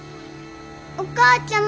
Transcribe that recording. お母ちゃま。